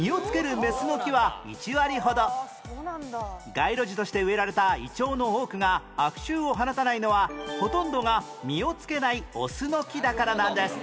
街路樹として植えられたイチョウの多くが悪臭を放たないのはほとんどが実をつけないオスの木だからなんです